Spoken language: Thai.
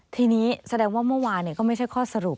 ทีนี้แสดงว่าเมื่อวานก็ไม่ใช่ข้อสรุป